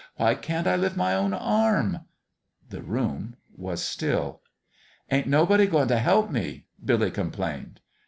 " Why can't I lift my own arm?" The room was still. "Ain't nobody goin' t' help me?" Billy com plained.